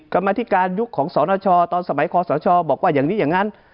กรรมธิการยุคของสนชตอนสมัยคอสชบอกว่าอย่างนี้อย่างนั้น